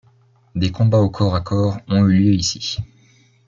Des combats au corps à corps ont eu lieu ici.